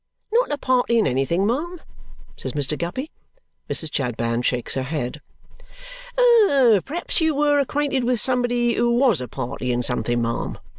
"NOT a party in anything, ma'am?" says Mr. Guppy. Mrs. Chadband shakes her head. "Perhaps you were acquainted with somebody who was a party in something, ma'am?"